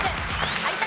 有田